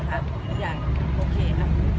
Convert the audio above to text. โอเคนะครับ